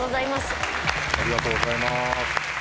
ありがとうございます。